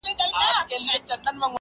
پر ازل مي غم امیر جوړ کړ ته نه وې٫